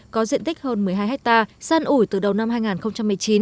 có diện tích hơn một mươi hai hectare san ủi từ đầu năm hai nghìn một mươi chín